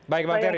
baik pak terry